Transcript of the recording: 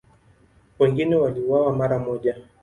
Wengine waliuawa mara moja.